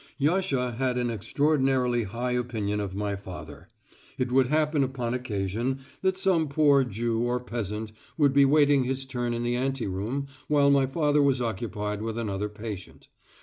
Yasha had an extraordinarily high opinion of my father. It would happen upon occasion that some poor Jew or peasant would be waiting his turn in the anteroom while my father was occupied with another patient.